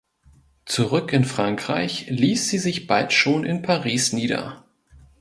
Zurück in Frankreich ließ sie sich bald schon in Paris nieder.